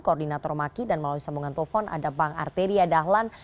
koordinator maki dan melalui sambungan telepon ada bang arteria dahlan